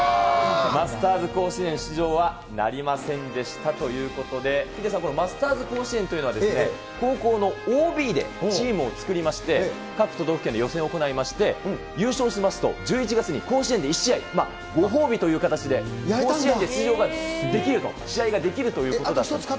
マスターズ甲子園出場はなりませんでしたということで、ヒデさん、このマスターズ甲子園というものは、高校のＯＢでチームを作りまして、各都道府県で予選を行いまして、優勝しますと、１１月に甲子園で１試合、ご褒美という形で、甲子園に出場ができると、試合ができるということだったんです。